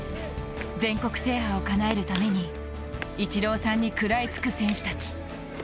全国制覇を叶えるために、イチローさんに食らいつく選手たち。